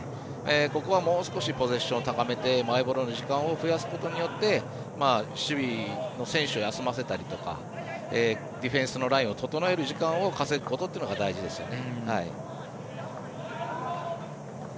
ここはもう少しポゼッションを高めてマイボールの時間を増やすことによって守備の選手を休ませたりとかディフェンスのラインを整えるのを稼ぐことというのが大事ですね。